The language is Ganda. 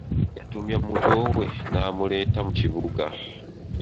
Yatumya muto we n'amuleeta mu kibuga.